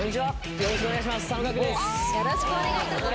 よろしくお願いします。